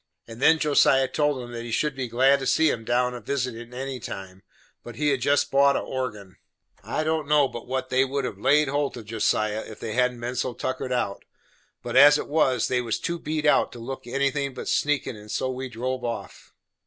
And then Josiah told 'em that he should be glad to see 'em down a visitin' any time, but he had jest bought a organ. I don't know but what they would have laid holt of Josiah, if they hadn't been so tuckered out; but as it was, they was too beat out to look anything but sneakin'; and so we drove off.